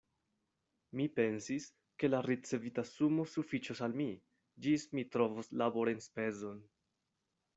Mi pensis, ke la ricevita sumo sufiĉos al mi, ĝis mi trovos laborenspezon.